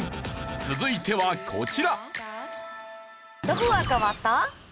続いてはこちら。